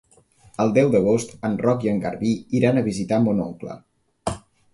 El deu d'agost en Roc i en Garbí iran a visitar mon oncle.